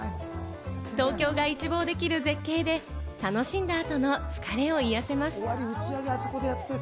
東京が一望できる絶景で、楽しんだ後の疲れを癒やせます。